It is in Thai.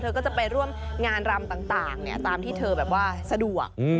ก็จะไปร่วมงานรำต่างตามที่เธอแบบว่าสะดวก